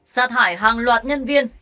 xa thải hàng loạt nhân viên